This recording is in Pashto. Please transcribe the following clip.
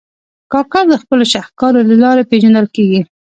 کاکړ د خپلو شهکارو له لارې پېژندل کېږي.